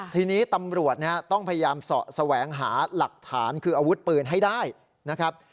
ทีนี้ตำรวจต้องพยายามเสาะแสวงหาหลักฐานคืออาวุธปืนให้ได้นะครับ